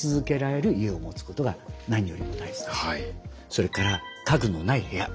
それから家具のない部屋。